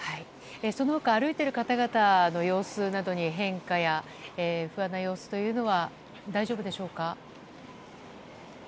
その他歩いている方々の様子などに変化や不安な様子は大丈夫でしょうか。